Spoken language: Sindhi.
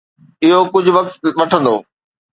اهو ڪجهه وقت وٺندو.